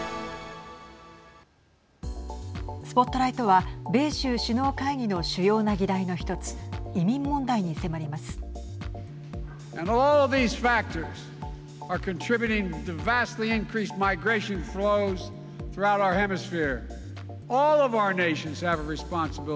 ＳＰＯＴＬＩＧＨＴは米州首脳会議の主要な議題の１つ移民問題に迫ります。